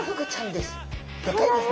でかいですね。